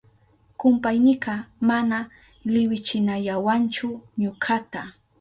Kumpaynika mana liwichinayawanchu ñukata.